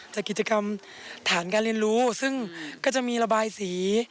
จากกิจกรรมฐานการเรียนรู้ซึ่งก็จะมีระบายสี